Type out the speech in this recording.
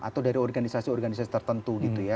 atau dari organisasi organisasi tertentu gitu ya